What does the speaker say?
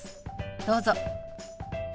どうぞ。